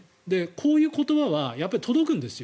こういう言葉は届くんですよ